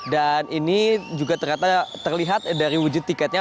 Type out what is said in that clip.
dan ini juga ternyata terlihat dari wujud tiketnya